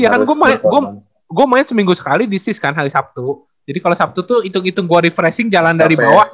iya kan gue main seminggu sekali di sis kan hari sabtu jadi kalau sabtu itu hitung hitung gue refreshing jalan dari bawah